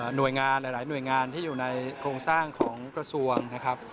หน่วยงานหลายหน่วยงานที่อยู่ในโครงสร้างของกระทรวงนะครับ